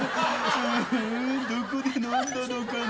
どこで飲んだのかな？